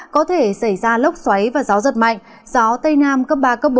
có thể xảy ra lốc xoáy và gió giật mạnh gió tây nam cấp ba cấp bốn